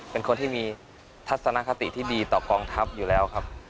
เป็นคนที่มีทัศนคติที่ดีต่อกองทัพอยู่แล้วครับ